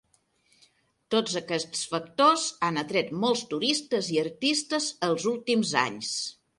Tots aquests factors han atret molts turistes i artistes els últims anys.